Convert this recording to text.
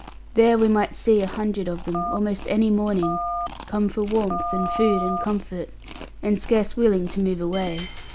There we might see a hundred of them almost any morning, come for warmth, and food, and comfort, and scarce willing to move away.